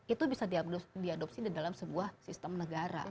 itu bisa diadopsi di dalam sebuah sistem negara